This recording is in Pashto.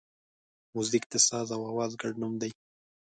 موزیک د ساز او آواز ګډ نوم دی.